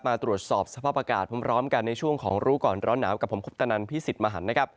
มาตรวจสอบสภาพอากาศพร้อมกันในช่วงของรู้ก่อนร้อนหนาวกับผมคุปตนันพี่สิทธิ์มหันนะครับ